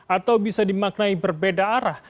atau bisa dimaknai berbeda arah